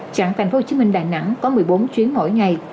trạng tp hcm đà nẵng có một mươi bốn chuyến mỗi ngày